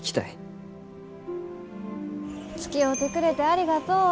つきおうてくれてありがとう。